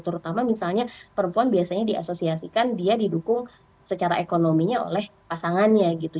terutama misalnya perempuan biasanya diasosiasikan dia didukung secara ekonominya oleh pasangannya gitu